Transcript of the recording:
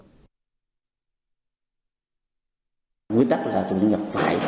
ubnd bảo hiểm cho bà nguyễn văn thính và công ty bảo hiểm cho người lao động